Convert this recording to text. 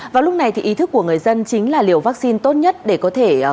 vào lúc này ý thức của người dân chính là liều vaccine tốt nhất để có thể